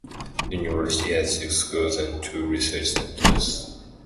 The university has six schools and two research centres.